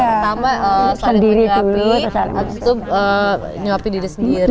pertama saling menyiapkan abis itu menyiapkan diri sendiri